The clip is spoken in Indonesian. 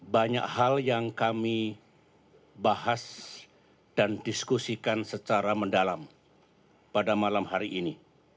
banyak hal yang kami bahas dan diskusikan secara mendalam pada malam hari ini